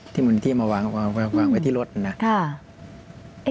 ที่มูลนิธิมาวางไว้ที่รถนะ